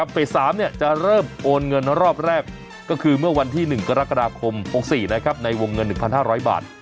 เฟส๓จะเริ่มโอนเงินรอบแรกก็คือเมื่อวันที่๑กรกฎาคม๖๔ในวงเงิน๑๕๐๐บาท